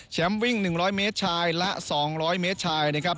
วิ่ง๑๐๐เมตรชายละ๒๐๐เมตรชายนะครับ